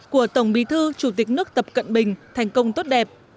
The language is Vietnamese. của tổng bí thư chủ tịch nước tập cận bình thành công tốt đẹp